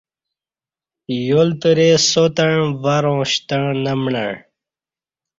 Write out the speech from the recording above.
یالترے ساتݩع ورں شتݩع نہ مݨݩع